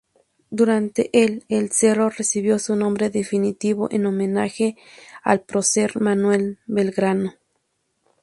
Durante el el cerro recibió su nombre definitivo, en homenaje al prócer Manuel Belgrano.